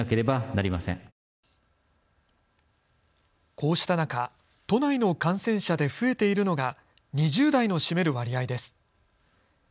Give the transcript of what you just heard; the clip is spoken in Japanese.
こうした中、都内の感染者で増えているのが２０代の占める割合です。